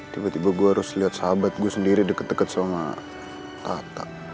tiba tiba gue harus lihat sahabat gue sendiri deket deket sama kakak